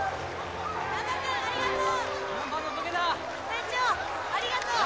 会長ありがとう！